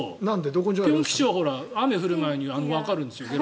ぴょん吉は雨が降る前にわかるんですよ。